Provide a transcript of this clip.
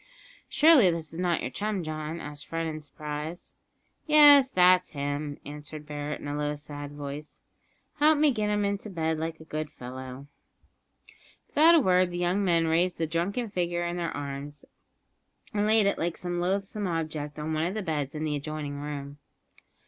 "Surely this is not your chum, John?" asked Fred in surprise. "Yes, that's him," answered Barret in a low sad voice. "Help me to get him into bed, like a good fellow." Without a word the young men raised the drunken figure in their arms, and laid it like some loathsome object on one of the beds in the adjoining room.